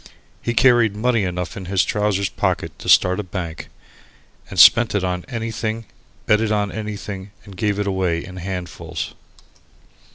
He carried money enough in his trousers pockets to start a bank, and spent it on anything, bet it on anything, and gave it away in handfuls.